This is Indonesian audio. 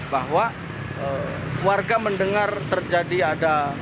bahwa warga mendengar terjadi ada